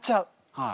はい。